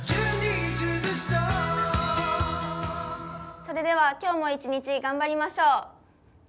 それでは今日も一日頑張りましょう。